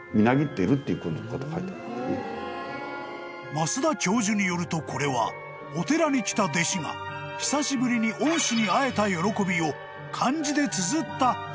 ［増田教授によるとこれはお寺に来た弟子が久しぶりに恩師に会えた喜びを］